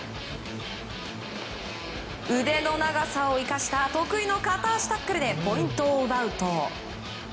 腕の長さを生かした得意の片足タックルでポイントを奪うと。